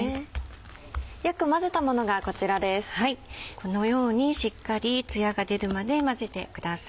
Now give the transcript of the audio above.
このようにしっかりつやが出るまで混ぜてください。